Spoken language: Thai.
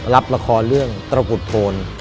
รับละครเรื่องตระกุดโทน